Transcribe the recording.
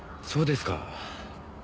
そうですか。